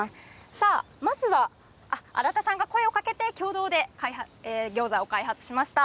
さあ、まずは、荒田さんが声をかけて、共同でギョーザを開発しました。